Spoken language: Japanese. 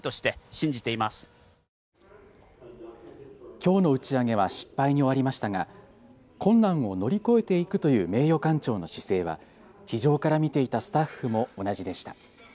きょうの打ち上げは失敗に終わりましたが困難を乗り越えていくという名誉館長の姿勢は地上から見ていたスタッフも同じでした。